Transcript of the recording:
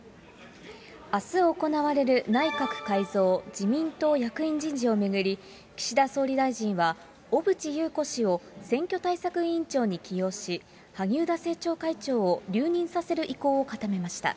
あす行われる内閣改造、自民党役員人事を巡り、岸田総理大臣は小渕優子氏を選挙対策委員長に起用し、萩生田政調会長を留任させる意向を固めました。